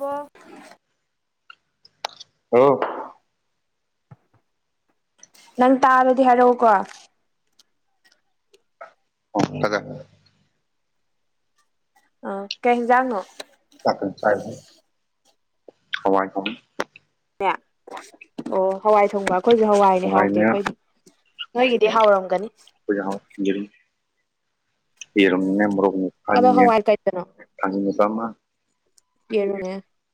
ꯕꯣ ꯍꯂꯣ ꯅꯪ ꯇꯥꯔꯗꯤ ꯍꯥꯏꯔꯛꯎꯀꯣ ꯑꯣ ꯐꯗ ꯑ ꯀꯩ ꯍꯤꯟꯖꯥꯡꯅꯣ ꯆꯥꯛ ꯀꯟꯅ ꯆꯥꯢꯅꯤ ꯍꯋꯥꯏ ꯊꯣꯡꯢ ꯑꯣ ꯑꯣ ꯍꯋꯥꯏ ꯊꯣꯡꯕ ꯑꯩꯈꯣꯏꯖꯨ ꯍꯋꯥꯏꯅꯦ ꯍꯥꯎꯇꯦ ꯑꯩꯈꯣꯏꯗꯤ ꯅꯣꯏꯒꯤꯗꯤ ꯍꯥꯎꯔꯝꯒꯅꯤ [unintelligible] ꯌꯦꯔꯨꯝꯅꯦ ꯃꯣꯔꯣꯛ ꯑꯗꯣ ꯃꯈꯅꯦ ꯍꯋꯥꯏ ꯀꯩꯀꯩꯅꯣ ꯊꯖꯤꯡꯃꯆꯥꯃꯥ ꯀꯦꯅꯦ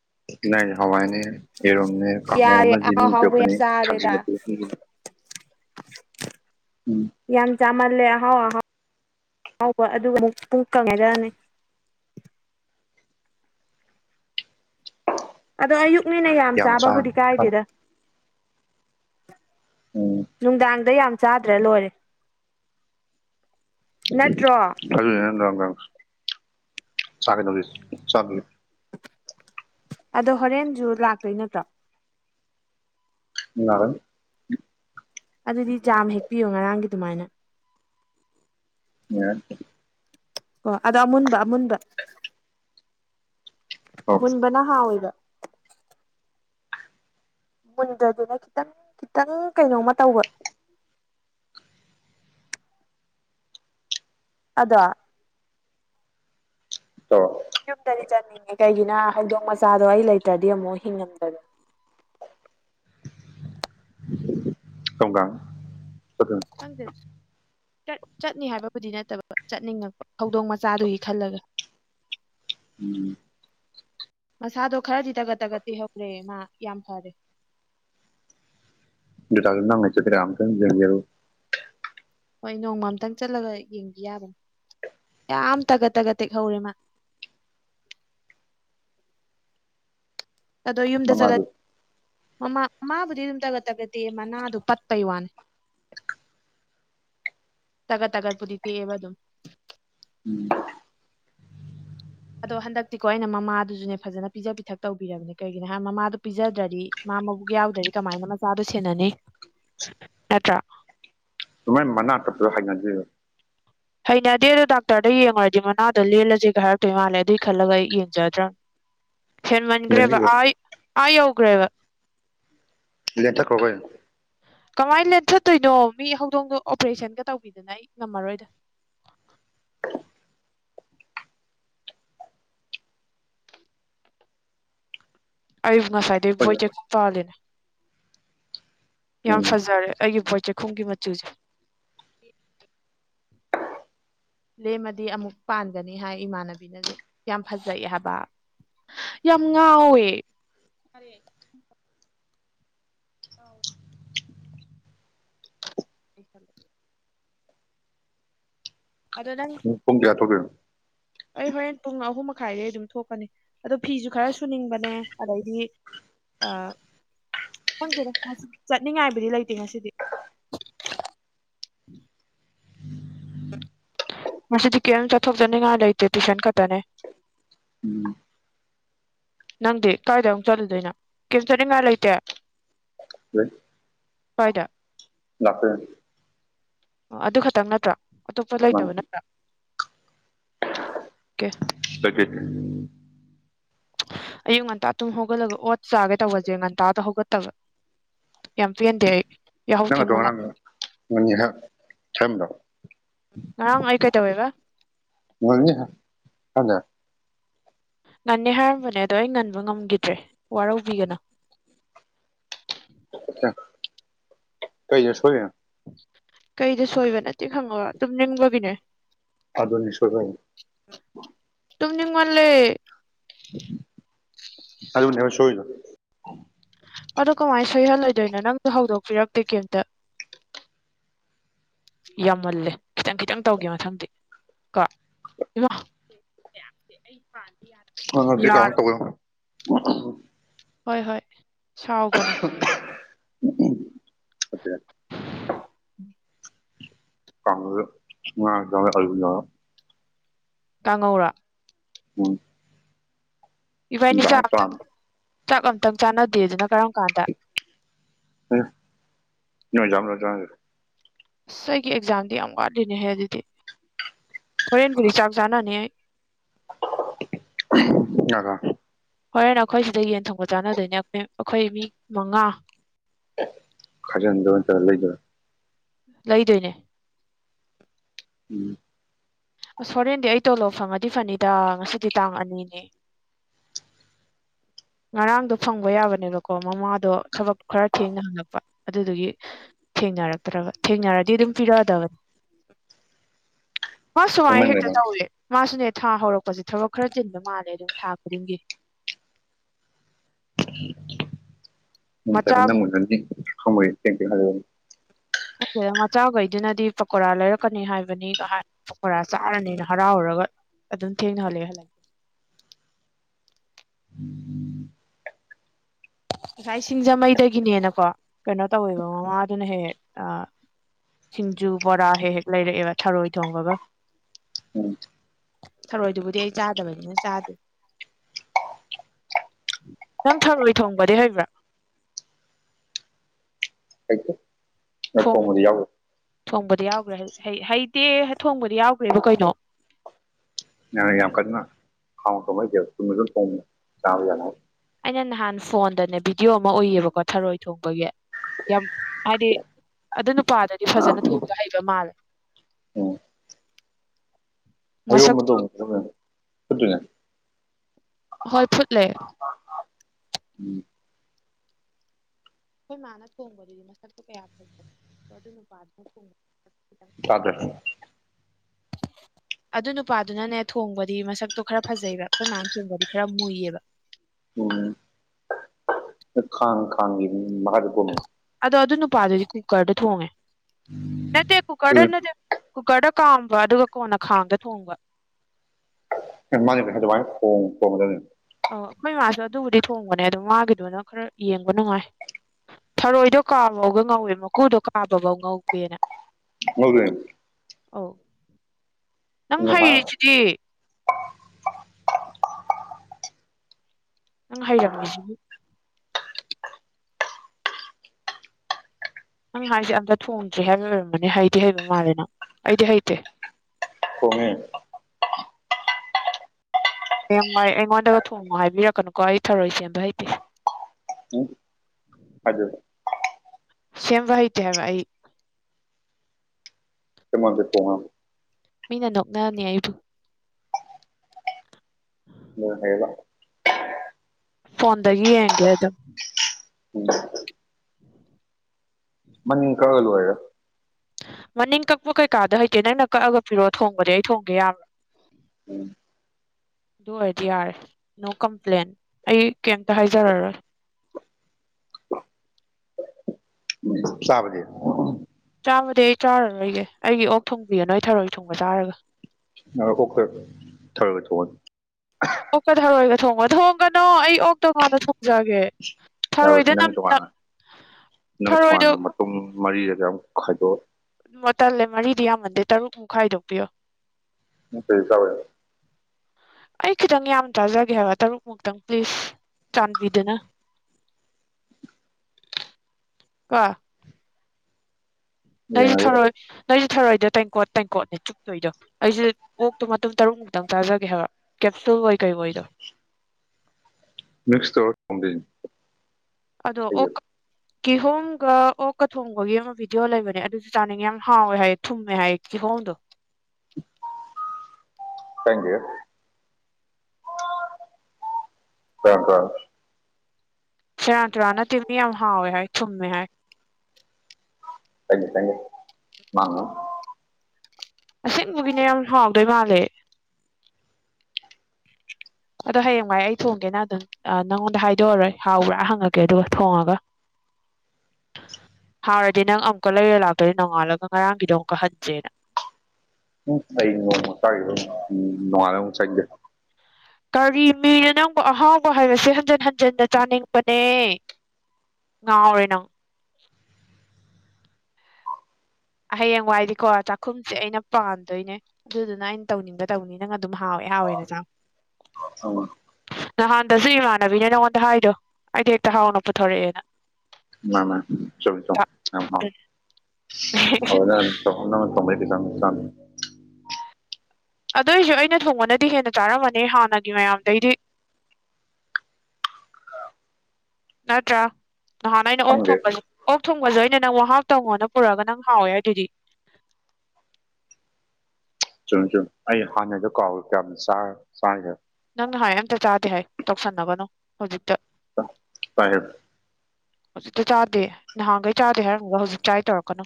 [inaudible] ꯍꯋꯥꯏꯅꯦ ꯌꯦꯔꯨꯝꯝꯅꯦ ꯀꯥꯡꯍꯧ ꯌꯥꯔꯦ ꯑꯃꯖꯤ ꯑꯍꯥꯎ ꯃꯤ ꯑꯍꯥꯎꯕ ꯌꯥꯝ ꯄꯤꯔꯛꯄꯅꯤ ꯆꯥꯔꯦꯗ ꯊꯖꯤꯅꯄꯛꯄꯅꯤ ꯎꯝ ꯌꯥꯝ ꯆꯥꯃꯜꯂꯦ ꯑꯍꯥꯎ ꯑꯍꯥꯎ [unintelligible] ꯑꯗꯨꯒ ꯑꯃꯨꯛ ꯄꯨꯡꯀ ꯍꯥꯏꯔꯛꯑꯅꯤ ꯑꯗꯣ ꯑꯌꯨꯛꯅꯤꯅ ꯌꯥꯝ ꯆꯥꯕꯕꯨꯗꯤ ꯀꯥꯏꯗꯦꯗ ꯎꯝ ꯅꯨꯡꯗꯥꯡꯗ ꯌꯥꯝ ꯆꯥꯗ꯭ꯔꯥ ꯂꯣꯏꯔꯦ ꯅꯠꯇ꯭ꯔꯣ ꯑꯗꯨꯔꯅꯦ ꯅꯨꯡꯗꯡ ꯅꯨꯡꯗꯡ ꯆꯒꯦꯇꯧꯆꯗꯤ ꯑꯗꯣ ꯍꯣꯔꯦꯟꯖꯨ ꯂꯥꯛꯇꯣꯏ ꯅꯠꯇ꯭ꯔꯣ [unintelligible] ꯑꯗꯨꯗꯤ ꯆꯥꯝꯍꯦꯛꯄꯤꯌꯨ ꯉꯔꯥꯡꯒꯤ ꯑꯗꯨꯃꯥꯏꯅ ꯌꯥ ꯑꯗꯣ ꯑꯃꯨꯟꯕ ꯑꯃꯨꯟꯕ ꯑꯣ ꯃꯨꯟꯕꯅꯥ ꯍꯥꯎꯑꯕ ꯃꯨꯟꯗꯕꯅ ꯈꯤꯇꯪ ꯈꯤꯇꯪ ꯀꯩꯅꯣꯝꯃ ꯇꯧꯕ ꯑꯗꯣ [unintelligible] ꯌꯨꯝꯗꯗꯤ ꯆꯠꯅꯤꯡꯉꯦ ꯀꯩꯒꯤꯅꯣꯍ ꯍꯗꯣꯡ ꯃꯆꯥꯗꯣ ꯑꯩ ꯂꯩꯇ꯭ꯔꯗꯤ ꯑꯃꯨꯛ ꯍꯤꯡꯉꯝꯗꯅ ꯀꯝꯒ [unintelligible] ꯆꯠꯅꯤ ꯍꯥꯏꯕꯕꯨꯗꯤ ꯅꯠꯇꯕ ꯆꯠꯅꯤꯡꯉ ꯍꯧꯗꯣꯡ ꯃꯆꯥꯗꯨꯒꯤ ꯈꯜꯂꯒ ꯎꯝ ꯃꯁꯥꯗꯣ ꯈꯔꯗꯤ ꯇꯥꯒꯠ ꯇꯒꯠ ꯇꯍꯧꯔꯦ ꯃꯥ ꯌꯥꯝ ꯐꯔꯦ [unintelligible] ꯍꯣꯏ ꯅꯣꯡꯃ ꯑꯝꯇꯪ ꯆꯠꯂꯒ ꯌꯦꯡꯕꯤ ꯌꯥꯕꯅꯦ ꯌꯥꯝ ꯇꯒꯠ ꯇꯒꯠ ꯇꯦꯛꯍꯧꯔꯦ ꯃꯥ ꯑꯗꯣ ꯌꯨꯝꯗ ꯆꯠꯂ ꯃꯃꯥꯗꯨ ꯃꯃꯥ ꯃꯥꯕꯨꯗꯤ ꯑꯗꯨꯝ ꯇꯒꯠ ꯇꯒꯠ ꯇꯦꯛꯑꯦ ꯃꯅꯥꯗꯣ ꯄꯠꯄꯩ ꯋꯥꯅꯦ ꯇꯒꯠ ꯇꯒꯠꯄꯨꯗꯤ ꯇꯦꯛꯑꯦꯕ ꯑꯗꯨꯝ ꯎꯝ ꯑꯗꯣ ꯍꯟꯗꯛꯇꯤꯀꯣ ꯑꯩꯅ ꯃꯃꯥꯗꯨꯖꯨꯅꯦ ꯐꯖꯅ ꯄꯤꯖ ꯄꯤꯊꯛ ꯇꯧꯕꯤꯔꯝꯅꯤ ꯀꯩꯒꯤꯅꯣ ꯍꯥꯏ ꯃꯃꯥꯗꯣ ꯄꯤꯖꯗ꯭ꯔꯗꯤ ꯃꯥ ꯃꯕꯨꯛ ꯌꯥꯎꯗ꯭ꯔꯗꯤ ꯀꯃꯥꯏꯅ ꯃꯆꯥꯗꯣ ꯁꯦꯟꯅꯅꯤ꯫ [inaudible] ꯅꯠꯇ꯭ꯔꯥ ꯃꯥꯏ ꯃꯅꯥ ꯇꯠꯄꯗꯣ ꯍꯩꯅꯗꯦꯕ ꯍꯩꯅꯗꯦꯗꯨ ꯗꯥꯛꯇꯔꯗ ꯌꯦꯡꯉꯨꯔꯗꯤ ꯃꯅꯥꯗꯣ ꯂꯦꯜꯂꯖꯦꯒ ꯍꯥꯏꯔꯛꯇꯣꯏ ꯃꯥꯜꯂꯦ ꯑꯗꯨꯏ ꯈꯜꯂꯒ ꯑꯩ ꯌꯦꯡꯖꯗ꯭ꯔꯃꯤ ꯍꯦꯟꯃꯟꯒ꯭ꯔꯦꯕ ꯂꯦꯟꯕꯤꯈ꯭ꯔꯣ ꯑꯥꯢ ꯑꯥ ꯌꯧꯒ꯭ꯔꯦꯕ꯫ ꯂꯦꯟꯊꯠꯈ꯭ꯔꯣ ꯀꯩꯅꯣ ꯀꯃꯥꯏ ꯂꯦꯟꯊꯠꯇꯣꯏꯅꯣ ꯃꯤ ꯍꯧꯗꯣꯡꯗꯣ ꯑꯣꯄꯔꯦꯁꯟꯒ ꯇꯧꯕꯤꯗꯅ ꯑꯩ ꯉꯝꯃꯔꯣꯏꯗ ꯑꯩ ꯉꯁꯥꯏꯗꯩ ꯍꯣꯏ ꯕꯣꯏ ꯆꯦꯛ ꯄꯥꯂꯤꯅꯦ ꯌꯥꯝ ꯎꯝ ꯐꯖꯔꯦ ꯑꯩꯒꯤ ꯕꯣꯏ ꯆꯦꯈꯨꯝꯒꯤ ꯃꯆꯨꯖꯦ꯫ ꯂꯦꯝꯃꯗꯤ ꯑꯃꯨꯛ ꯄꯥꯟꯒꯅꯤ ꯍꯥꯏ ꯏꯃꯥꯟꯅꯕꯤꯅꯖꯨ ꯌꯥꯝ ꯐꯖꯩ ꯍꯥꯕ ꯌꯥꯝ ꯉꯥꯎꯋꯦ ꯑꯔꯦ ꯉꯥꯎꯋꯦ [unintelligible] ꯑꯗꯣ ꯅꯪ ꯎꯪ ꯄꯨꯡ ꯀꯌꯥ ꯊꯣꯛꯇꯣꯏꯅꯣ ꯑꯩ ꯍꯣꯔꯦꯟ ꯄꯨꯡ ꯑꯍꯨꯝ ꯃꯈꯥꯏꯗꯩ ꯑꯗꯨꯝ ꯊꯣꯛꯀꯅꯤ ꯑꯗꯣ ꯐꯤꯖꯨ ꯈꯔ ꯁꯨꯅꯤꯡꯕꯅꯦ ꯑꯗꯩꯗꯤ ꯑ ꯈꯪꯗꯦꯗ ꯉꯁꯤ ꯆꯠꯅꯤꯡꯉꯥꯏꯕꯨꯗꯤ ꯂꯩꯇꯦ ꯉꯁꯤꯗꯤ [unintelligible] ꯉꯁꯤꯗꯤ ꯀꯩꯝ ꯆꯠꯊꯣꯛ ꯆꯠꯅꯤꯉꯥꯏ ꯂꯩꯇꯦ ꯇꯨꯏꯁꯟ ꯈꯇꯅꯦ ꯎꯝ ꯅꯪꯗꯤ ꯀꯥꯏꯗ ꯑꯃꯨꯛ ꯆꯠꯂꯨꯗꯣꯏꯅꯣ ꯀꯦꯝ ꯆꯠꯅꯤꯡꯉꯥꯏ ꯂꯩꯇꯦ ꯂꯩ ꯀꯥꯏꯗ ꯂꯥꯛꯄ ꯌꯥꯗꯦ ꯑꯣ ꯑꯗꯨ ꯈꯇꯪ ꯅꯠꯇ꯭ꯔꯥ ꯑꯇꯣꯞꯄ ꯃꯥꯅꯤ ꯂꯩꯇꯕ ꯅꯠꯇ꯭ꯔꯥ ꯀꯦ [unintelligible] ꯑꯌꯨꯛ ꯉꯟꯇꯥ ꯇꯨꯝ ꯍꯧꯒꯠꯂꯒ ꯑꯣꯠ ꯆꯥꯒꯦ ꯇꯧꯕꯖꯦ ꯉꯟꯇꯥꯗꯣ ꯍꯧꯒꯠꯇꯕ ꯌꯥꯝ ꯄꯦꯟꯗꯦ ꯑꯩ ꯌꯥꯍꯧ ꯅꯪ ꯑꯗꯨ ꯊꯦꯡꯃꯜꯂꯦ ꯉꯔꯪ [unintelligible] ꯉꯔꯥꯡ ꯑꯩ ꯀꯩꯗꯧꯋꯦꯕ [unintelligible] ꯉꯟꯅꯦ ꯍꯥꯏꯔꯝꯕꯅꯦ ꯑꯗꯣ ꯑꯩ ꯉꯟꯕ ꯉꯝꯒꯤꯗ꯭ꯔꯦ ꯋꯥꯔꯧꯕꯤꯒꯅꯣ ꯀꯩꯗ ꯁꯣꯏꯔꯤꯅꯣ ꯀꯩꯗ ꯁꯣꯏꯕ ꯅꯠꯇꯦ ꯈꯪꯉꯕ ꯇꯨꯝꯅꯤꯡꯕꯒꯤꯅꯦ ꯑꯗꯨꯅꯤ ꯁꯣꯏꯕ ꯍꯥꯏ ꯇꯨꯝꯅꯤꯡꯃꯜꯂꯦ ꯑꯂꯨꯅꯦꯕ ꯁꯣꯏꯗꯣ ꯑꯗꯣ ꯀꯃꯥꯏ ꯁꯣꯏꯍꯜꯂꯣꯏꯗꯣꯏꯅꯣ ꯅꯪꯖꯨ ꯍꯧꯗꯣꯛꯄꯤꯔꯛꯇꯦ ꯀꯩꯝꯇ ꯌꯥꯝꯃꯜꯂꯦ ꯈꯤꯇꯪ ꯈꯤꯇꯪ ꯇꯧꯒꯦ ꯃꯊꯪꯗꯤ ꯀꯣ ꯏꯃꯥ [unintelligible] ꯍꯣꯏ ꯍꯣꯏ ꯕꯦꯛꯒ꯭ꯔꯥꯎꯟ ꯌꯥꯔꯣꯏ ꯇꯧ ꯌꯥꯝ [unintelligible] ꯍꯣꯏ ꯍꯣꯏ ꯁꯥꯎꯒꯅꯣ ꯐꯠꯇꯦ ꯀꯥꯡꯉꯧꯖꯦ ꯉꯥꯖꯨ ꯌꯥꯎꯋꯦ ꯑꯂꯨꯖꯨ ꯌꯥꯎꯋꯦ ꯀꯥꯉꯧꯔꯥ ꯃꯥꯅꯤ ꯏꯕꯥꯏꯅꯤ ꯆꯥꯥꯛ ꯇꯥꯡꯉꯦ ꯑꯝꯇꯪ ꯆꯥꯛ ꯑꯝꯇꯪ ꯆꯥꯟꯅꯗꯦꯖꯤꯅ ꯀꯔꯝ ꯀꯥꯟꯗ ꯑꯦ ꯅꯣꯏ ꯑꯦꯛꯖꯥꯝ ꯂꯣꯏꯔ ꯆꯥꯖꯦ ꯑꯁ ꯑꯩꯒꯤ ꯑꯦꯛꯖꯥꯝꯗꯤ ꯌꯥꯝ ꯋꯥꯠꯂꯤꯅꯦꯍꯦ ꯑꯗꯨꯗꯤ ꯍꯣꯔꯦꯟꯕꯨꯗꯤ ꯆꯥꯛ ꯆꯥꯅꯅꯤ ꯑꯩ [unintelligible] ꯍꯣꯔꯦꯟ ꯑꯈꯣꯏ ꯁꯤꯗ ꯌꯦꯟ ꯊꯣꯡꯕ ꯆꯥꯅꯗꯣꯏꯅꯦ [unintelligible] ꯑꯈꯣꯏ ꯃꯤ ꯃꯉꯥ ꯈꯥꯖꯟꯗꯣꯔꯥ ꯅꯠꯇ꯭ꯔꯒ ꯂꯩꯗꯣꯔ ꯂꯩꯗꯣꯏꯅꯦ ꯎꯝ ꯑꯁ ꯍꯣꯔꯦꯟꯗꯤ ꯑꯩ ꯇꯣꯂꯣꯞ ꯐꯪꯉꯗꯤ ꯐꯅꯤꯗ ꯉꯁꯤꯗꯤ ꯇꯥꯡ ꯑꯅꯤꯅꯦ ꯉꯔꯥꯡꯗꯣ ꯐꯪꯕ ꯌꯥꯕꯅꯦꯕꯀꯣ ꯃꯃꯥꯗꯣ ꯊꯕꯛ ꯈꯔ ꯊꯦꯡꯅ ꯍꯪꯑꯛꯄ ꯑꯗꯨꯗꯨꯒꯤ ꯊꯦꯡꯅꯔꯛꯇ꯭ꯔꯕ ꯊꯦꯡꯅꯔꯗꯤ ꯑꯗꯨꯝ ꯄꯤꯔꯛꯑꯗꯕꯅꯦ [inaudible] ꯃꯥ ꯁꯨꯃꯥꯏꯅ ꯍꯣꯡꯃꯟꯒ꯭ꯔꯦ ꯍꯦꯛꯇ ꯇꯧꯏꯦ ꯃꯥꯁꯨꯅꯦ ꯊꯥ ꯍꯧꯔꯛꯄꯁꯦ ꯊꯕꯛ ꯈꯔ ꯆꯤꯟꯕ ꯃꯥꯜꯂꯦ ꯗꯨꯝ ꯊꯥ ꯈꯨꯗꯤꯡꯒꯤ ꯃꯆꯥ [unintelligible] ꯈꯛ ꯗꯦ ꯃꯆꯥꯛ ꯂꯩꯇꯦꯅꯗꯤ ꯄꯀꯣꯔꯥ ꯂꯩꯔꯛꯀꯅꯤ ꯍꯥꯏꯕꯅꯤ ꯒ ꯍꯥꯏ ꯄꯥꯀꯣ ꯔꯥ ꯆꯥꯔꯅꯤꯅ ꯍꯔꯥꯎꯔꯒ ꯑꯗꯨꯝ ꯊꯦꯡꯅ ꯍꯜꯂꯛꯑꯦ ꯍꯜꯂꯦ [inaudible] ꯉꯁꯥꯏ ꯁꯤꯡꯖꯃꯩꯗꯒꯤꯅꯦꯅꯀꯣ ꯀꯩꯅꯣ ꯇꯧꯋꯦꯕ ꯃꯃꯥꯗꯨꯅ ꯍꯦꯛ ꯍꯦꯛ ꯑꯥ ꯁꯤꯡꯖꯨ ꯕꯣꯔꯥ ꯍꯦꯛ ꯍꯦꯛ ꯂꯩꯔꯛꯑꯦꯕ ꯊꯔꯣꯏ ꯊꯣꯡꯕꯒ ꯎꯝ ꯊꯔꯣꯏꯗꯨꯕꯨꯗꯤ ꯑꯩ ꯆꯥꯗꯕꯅꯤꯅ ꯆꯥꯗꯦ ꯅꯪ ꯊꯔꯣꯏ ꯊꯣꯡꯕꯗꯤ ꯍꯥꯏꯕ꯭ꯔꯥ ꯋꯦꯛ ꯊꯣꯡ ꯊꯣꯡꯕ ꯗꯤ ꯌꯥꯎꯔꯣꯏ ꯊꯣꯡꯕꯗꯤ ꯌꯥꯎꯈ꯭ꯔꯦ ꯍꯩ ꯍꯩꯇꯦ ꯊꯣꯡꯕꯗꯤ ꯌꯥꯎꯈ꯭ꯔꯦꯕ ꯀꯩꯅꯣ ꯅꯥꯔꯩ ꯌꯥꯝ ꯀꯟ ꯅꯥ ꯈꯥꯎ ꯇꯧꯕꯥ ꯍꯩꯇꯦꯕ ꯆꯨꯝꯅꯥ ꯁꯨꯝ ꯐꯣꯡ ꯆꯕ ꯌꯝꯍꯧ ꯑꯩꯅ ꯅꯍꯥꯟ ꯐꯣꯟꯗꯅꯦ ꯚꯤꯗꯤꯑꯣ ꯑꯃ ꯎꯏꯌꯦꯕꯀꯣ ꯊꯔꯣꯏ ꯊꯣꯡꯕꯒꯤ ꯌꯥꯝ ꯍꯥꯏꯗꯤ ꯑꯗꯨ ꯅꯨꯄꯥꯗꯗꯤ ꯐꯖꯟꯅ ꯊꯨꯡꯇꯥ ꯍꯩꯕ ꯃꯥꯜꯂꯦ ꯎ ꯃꯁꯛꯇꯨ [inaudible] ꯍꯣꯏ ꯐꯨꯠꯂꯦ ꯑꯩꯈꯣꯏ ꯃꯥꯅ ꯊꯣꯡꯕꯗꯨꯗꯤ ꯃꯁꯛꯇꯨ ꯀꯌꯥ ꯐꯖ ꯑꯗꯨ ꯅꯨꯄꯥ ꯗꯨꯅꯥ ꯊꯣꯡꯕ ꯇꯗꯦ ꯑꯗꯨ ꯅꯨꯄꯥꯗꯨꯅꯅꯦ ꯊꯣꯡꯕꯗꯤ ꯃꯁꯛꯇꯣ ꯈꯔ ꯐꯖꯩꯑꯕ ꯑꯩꯈꯣꯏ ꯃꯥ ꯅꯥ ꯊꯣꯡꯕꯗꯤ ꯈꯔ ꯃꯨꯏꯌꯦꯕ ꯑꯥ ꯈꯥꯡ ꯈꯥꯡꯒꯤ ꯃꯍꯔꯖꯨ ꯄꯣꯟ ꯑꯗꯣ ꯑꯗꯨ ꯅꯨꯄꯥꯗꯨꯗꯤ ꯀꯨꯀꯔꯗ ꯊꯣꯡꯉꯦ ꯅꯠꯇꯦ ꯀꯨꯀꯔꯗ ꯎꯝ ꯅꯠꯇꯦ ꯀꯨꯀꯔꯗ ꯀꯥꯝꯕ ꯑꯗꯨꯒ ꯀꯣꯟꯅ ꯈꯥꯡꯗ ꯊꯣꯡꯕ ꯑꯥ ꯃꯥꯅꯦ ꯄ꯭ꯔꯦꯁꯔ ꯑꯗꯨꯃꯥꯏꯅ ꯍꯣꯡ ꯐꯣꯡꯒꯗꯅꯦ ꯑ ꯑꯩꯈꯣꯏ ꯃꯁꯨ ꯑꯗꯨꯕꯨꯗꯤ ꯊꯣꯡꯕꯅꯦ ꯑꯗꯣ ꯃꯥꯒꯤꯗꯨꯅ ꯈꯔ ꯌꯦꯡꯕ ꯅꯨꯡꯉꯥꯏ ꯊꯔꯣꯏꯗꯣ ꯀꯥꯐꯧꯒ ꯉꯧꯋꯦ ꯃꯀꯨꯗꯣ ꯀꯥꯕꯐꯥꯎ ꯉꯧꯌꯦꯅ ꯉꯣꯟꯌꯦ ꯑꯧ ꯅꯪ ꯊꯨꯝ ꯃꯊꯥ ꯍꯦꯔꯤꯖꯤꯗꯤ ꯅꯪ ꯍꯥꯏꯩꯔꯝꯃꯤꯁꯤꯗꯤ ꯅꯪ ꯍꯥꯏꯁꯦ ꯑꯝꯇ ꯊꯣꯡꯗ꯭ꯔꯤ ꯍꯥꯏꯕ ꯑꯣꯏꯔꯝꯃꯅꯤ ꯍꯩꯗꯤ ꯍꯩꯕ ꯃꯥꯜꯂꯦ ꯅꯪ ꯑꯩꯗꯤ ꯍꯩꯇꯦ ꯊꯣꯡꯉꯦ ꯍꯌꯦꯡꯋꯥꯏ ꯑꯩꯉꯣꯟꯗꯒ ꯊꯣꯡꯉꯣ ꯍꯥꯏꯕꯤꯔꯛꯀꯅꯨꯀꯣ ꯑꯩ ꯊꯧꯔꯣꯏ ꯁꯦꯝꯕ ꯍꯩꯇꯦ ꯎ [unintelligible] ꯁꯦꯝꯕ ꯍꯩꯇꯦ ꯍꯥꯏꯕꯥ ꯑꯩ ꯏꯃꯥꯟ ꯗ ꯊꯣꯡꯍꯝ ꯃꯤꯅ ꯅꯣꯛꯅꯅꯤ ꯑꯩꯐꯨ ꯅꯣꯏ ꯍꯩꯕ ꯐꯣꯟ ꯗꯥꯒꯤ ꯌꯦꯡꯒꯦ ꯗꯣꯝ [inaudible] ꯃꯅꯤꯡ ꯀꯛꯑꯥ ꯂꯣꯏꯔꯦ ꯃꯅꯤꯡ ꯀꯛꯄ ꯀꯩꯀꯥꯗ ꯍꯩꯇꯦ ꯅꯪꯅ ꯀꯛꯑꯒ ꯄꯤꯔꯣꯑꯣ ꯊꯣꯡꯕꯗꯤ ꯑꯩ ꯊꯣꯡꯒꯦ ꯌꯥꯝ ꯎꯝ ꯑꯗꯨ ꯑꯣꯏꯔꯗꯤ ꯌꯥꯔꯦ ꯅꯣ ꯀꯝꯄ꯭ꯂꯦꯟ ꯑꯩ ꯀꯩꯝꯇꯥ ꯍꯥꯏꯖꯔꯔꯣꯏ ꯆꯥꯕꯗꯤ ꯆꯥꯕꯗꯤ ꯑꯩ ꯆꯥꯔꯔꯣꯏꯒꯦ ꯑꯩꯒꯤ ꯑꯣꯛ ꯊꯣꯡꯕꯤꯌꯣ ꯅꯣꯏ ꯊꯔꯣꯏ ꯊꯣꯡꯕ ꯆꯥꯔꯒ ꯑꯣꯛꯀꯥ ꯊꯔꯣꯏꯒ ꯊꯣꯡꯉꯥꯅꯤ ꯑꯣꯛꯀꯥ ꯊꯔꯣꯏꯒ ꯊꯣꯡꯕ ꯊꯣꯡꯒꯅꯣ ꯑꯩ ꯑꯣꯛꯇꯣ ꯉꯥꯛꯇꯥ ꯊꯣꯡꯖꯒꯦ ꯌꯥꯔꯣꯏ ꯊꯔꯣꯏꯗ ꯅꯝ ꯅꯪꯒꯤ ꯅꯞ ꯇꯣꯉꯥꯟꯅ ꯅꯪꯒꯤ ꯊꯔꯣꯏꯗꯣ ꯇꯣꯉꯥꯟꯅ ꯃꯇꯨꯝ ꯃꯔꯤꯔꯥ ꯀꯩꯅꯣꯝ ꯈꯥꯏꯗꯣꯛꯑꯥ ꯇꯜꯂꯦ ꯃꯔꯤꯗꯤ ꯌꯥꯝꯃꯟꯗꯦ ꯇꯔꯨꯛ ꯈꯥꯏꯗꯣꯛꯄꯤꯌꯣ ꯅꯠꯇ꯭ꯔꯥꯗꯤ ꯇꯧꯋꯦꯕ ꯑꯩ ꯈꯤꯇꯪ ꯌꯥꯝ ꯆꯥꯖꯒꯦ ꯍꯥꯏꯕ ꯇꯔꯨꯛꯃꯨꯛꯇꯪ ꯄ꯭ꯂꯤꯖ ꯆꯥꯟꯕꯤꯗꯨꯅ [unintelligible] ꯀꯣ ꯌꯥꯏ ꯅꯣꯏꯁꯨ ꯌꯦꯡꯉꯁꯤ ꯊꯔꯣꯏ ꯅꯣꯏꯁꯨ ꯊꯔꯣꯏꯗꯣ ꯇꯦꯡꯀꯣꯠ ꯇꯦꯡꯀꯣꯠꯅꯦ ꯆꯨꯞꯇꯣꯏꯗꯣ ꯑꯩꯁꯨ ꯑꯣꯛꯇꯣ ꯃꯇꯨꯝ ꯇꯔꯨꯛꯃꯨꯛꯇꯪ ꯆꯥꯖꯒꯦ ꯍꯥꯏꯕ ꯀꯦꯞꯁꯨꯜ ꯑꯣꯏ ꯀꯩ ꯑꯣꯏꯗꯣ ꯃꯤꯛꯁ ꯇꯧꯔꯥ ꯊꯣꯡꯗꯣꯏꯅꯦ ꯑꯗꯣ ꯑꯣꯛꯀꯥ ꯀꯤꯍꯣꯝꯒ ꯑꯣꯛꯀꯥ ꯊꯣꯡꯕꯒꯤ ꯑꯃ ꯚꯤꯗꯤꯑꯣ ꯂꯩꯕꯅꯦ ꯑꯗꯨꯁꯨ ꯆꯥꯅꯤꯡꯉꯦ ꯌꯥꯝ ꯍꯥꯎꯋꯦ ꯍꯥꯏ ꯊꯨꯝꯃꯦ ꯍꯥꯏ ꯀꯤꯍꯣꯝꯗꯣ ꯈꯪꯗꯦꯗꯥ ꯁꯦꯔꯥꯟ ꯇꯨꯔꯥꯟ ꯁꯦꯔꯥꯟ ꯇꯨꯔꯥꯟ ꯅꯠꯇꯦ ꯃꯤ ꯌꯥꯝ ꯍꯥꯎꯋꯦ ꯍꯥꯏ ꯊꯨꯝꯃꯦ ꯍꯥꯏ ꯇꯥꯅꯤꯡꯗꯦ ꯇꯥꯅꯤꯡꯗꯦ ꯂꯥꯡꯒꯅꯨ ꯑꯁꯦꯡꯕꯒꯤꯅꯦ ꯌꯥꯝ ꯍꯥꯎꯗꯣꯏ ꯃꯥꯜꯂꯦ ꯑꯗꯣ ꯍꯌꯦꯡꯋꯥꯏ ꯑꯩ ꯊꯣꯡꯒꯦ ꯅꯪ ꯑꯗꯨꯝ ꯅꯪꯉꯣꯟꯗ ꯍꯥꯏꯗꯣꯛꯑꯔꯣꯏ ꯍꯥꯎꯕ꯭ꯔꯥ ꯍꯪꯉꯛꯀꯦ ꯑꯗꯨꯒ ꯊꯣꯡꯉꯒ [unintelligible] ꯍꯥꯎꯔꯗꯤ ꯅꯪ ꯑꯃꯨꯛꯀꯥ ꯂꯩꯔꯥ ꯂꯥꯛꯇꯣꯏꯅꯦ ꯅꯣꯡꯉꯥꯜꯂꯒ ꯉꯔꯥꯡꯒꯤꯗꯣ ꯑꯃꯨꯛꯀꯥ ꯍꯟꯖꯦꯅ ꯎꯝ ꯑꯩ ꯅꯣꯡꯃꯥ ꯆꯥꯒꯤꯕ ꯅꯣꯡꯉꯥꯜꯂꯥꯒ ꯆꯥꯅꯤꯡꯗꯦ ꯀꯔꯤ ꯃꯤꯅꯣ ꯅꯪꯕꯣ ꯑꯍꯥꯎꯕ ꯍꯥꯏꯕꯁꯦ ꯍꯟꯖꯟ ꯍꯟꯖꯟꯅ ꯆꯥꯅꯤꯡꯕꯅꯦ ꯉꯥꯎꯔꯦ ꯅꯪ ꯍꯌꯦꯡꯋꯥꯏꯗꯤꯀꯣ ꯆꯥꯛꯈꯨꯝꯁꯦ ꯑꯩꯅ ꯄꯥꯟꯗꯣꯏꯅꯦ ꯑꯗꯨꯗꯨꯅ ꯑꯩꯅ ꯇꯧꯅꯤꯡꯕ ꯇꯧꯅꯤ ꯅꯪ ꯑꯗꯨꯝ ꯍꯥꯎꯋꯦ ꯍꯥꯎꯋꯦꯅ ꯆꯥꯎ [inaudible] ꯅꯍꯥꯟꯗꯁꯨ ꯏꯃꯥꯟꯅꯕꯤꯅꯦ ꯅꯪꯉꯣꯟꯗ ꯍꯥꯏꯗꯣ ꯑꯩꯗꯤ ꯍꯦꯛꯇ ꯍꯥꯎꯅ ꯄꯨꯊꯣꯔꯛꯑꯦꯅ ꯃꯃꯥꯟ ꯆꯨꯝꯃꯦ ꯆꯨꯝꯃꯦ [inaudible] ꯅꯪ ꯊꯣꯡꯕꯩꯅꯦ [inaudible] ꯑꯗꯨꯏꯁꯨ ꯑꯩꯅ ꯊꯣꯡꯕꯅꯗꯤ ꯍꯦꯟꯅ ꯆꯥꯔꯝꯃꯅꯤ ꯍꯥꯟꯅꯒꯤ ꯃꯌꯥꯝꯗꯩꯗꯤ ꯅꯠꯇ꯭ꯔꯥ ꯅꯍꯥꯟ ꯑꯩꯅ ꯑꯣꯛ ꯈꯪꯗꯦ ꯊꯣꯡꯕꯁꯦ ꯑꯣꯛ ꯊꯣꯡꯕꯁꯨ ꯑꯩꯅ ꯅꯪ ꯃꯍꯥꯎ ꯇꯪꯉꯣꯅ ꯄꯨꯔꯒ ꯅꯪ ꯍꯥꯎꯋꯦ ꯍꯥꯏꯗꯨꯗꯤ ꯆꯨꯝ ꯆꯨꯝ ꯑꯩ ꯍꯥꯟꯅꯩꯗꯣ ꯀꯥꯎꯔ ꯌꯥꯝ ꯆꯥ ꯆꯥꯒꯔꯦ ꯅꯪꯅ ꯍꯥꯏ ꯑꯝꯇꯥ ꯆꯥꯗꯦ ꯍꯥꯏ ꯇꯧꯁꯟꯅꯒꯅꯣ ꯍꯧꯖꯤꯛꯇ [inaudible] ꯍꯧꯖꯤꯛꯇꯥ ꯆꯥꯗꯦ ꯅꯍꯥꯟꯒꯩ ꯆꯥꯗꯦ ꯍꯥꯏꯔꯝꯒ ꯍꯧꯖꯤꯛ ꯆꯥꯏ ꯇꯧꯔꯛꯀꯅꯣ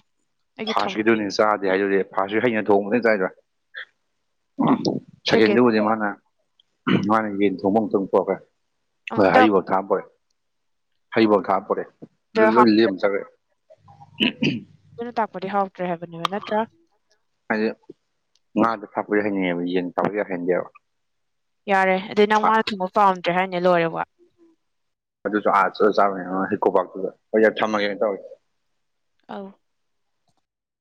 ꯐꯥꯔꯁꯀꯤꯗꯨꯅꯤ ꯆꯥꯗꯦ ꯍꯥꯏꯗꯨꯗꯤ ꯐꯥꯔꯁꯨ ꯍꯩꯅ ꯊꯣꯡꯕꯅꯤ ꯆꯥꯏꯗꯣ ꯁꯦꯀꯦꯟ ꯁꯥꯀꯦꯟꯗꯨꯕꯨꯗꯤ ꯃꯥꯅ ꯃꯥꯅ ꯌꯦꯟ ꯊꯣꯡꯕꯝ ꯑꯝꯇꯪ ꯄꯨꯔꯛꯈ꯭ꯔꯦ ꯍꯣꯏ ꯑꯃꯨꯛꯇ ꯍꯔꯤꯕꯣ ꯈꯥꯡ ꯄꯣꯔꯦ ꯍꯩꯕꯣꯞ ꯈꯥꯛꯑꯥ ꯄꯣꯔꯦ ꯂꯣꯏ ꯂꯦꯝ ꯆꯠꯈ꯭ꯔꯦ [unintelligible] ꯑꯗꯨꯅ ꯇꯥꯛꯄꯗꯤ ꯍꯥꯎꯇ꯭ꯔꯦ ꯍꯥꯏꯕꯅꯦꯕ ꯅꯠꯇ꯭ꯔꯥ ꯍꯥꯏꯗꯤ ꯉꯥꯗ ꯊꯛꯄꯗꯤ ꯍꯩꯅꯩꯌꯦꯕ ꯌꯦꯟ ꯊꯥꯕꯗꯤ ꯍꯩꯅꯗꯦꯕ ꯌꯥꯔꯦ ꯑꯗꯩ ꯅꯪ ꯉꯥ ꯊꯣꯡꯕ ꯄꯥꯝꯗ꯭ꯔꯦ ꯍꯥꯏꯅꯦ ꯂꯣꯏꯔꯦ ꯋ ꯑꯗꯨꯁꯨ ꯑꯥ ꯆꯠꯂ [unintelligible] ꯊꯝꯃꯒꯦꯅ ꯇꯧꯔꯤ ꯑꯥꯎ